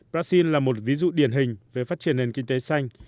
brazil là một ví dụ điển hình về phát triển nền kinh tế xanh